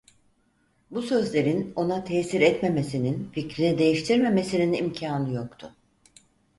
Bu sözlerin ona tesir etmemesinin, fikrini değiştirmemesinin imkanı yoktu.